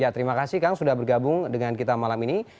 terima kasih kang sudah bergabung dengan kita malam ini